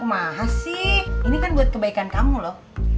mahasi ini kan buat kebaikan kamu loh